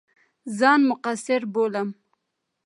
ځان مقصِر بولم.